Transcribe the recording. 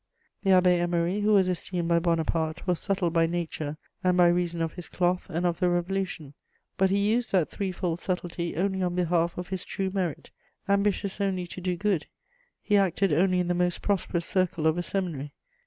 The Abbé Émery, who was esteemed by Bonaparte, was subtle by nature and by reason of his cloth and of the Revolution; but he used that threefold subtlety only on behalf of his true merit; ambitious only to do good, he acted only in the most prosperous circle of a seminary.